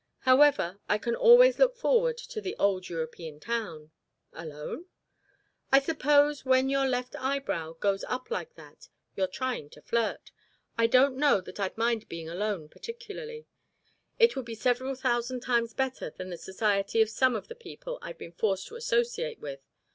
However, I can always look forward to the old European town." "Alone?" "I suppose when your left eyebrow goes up like that you're trying to flirt. I don't know that I'd mind being alone, particularly. It would be several thousand times better than the society of some of the people I've been forced to associate with.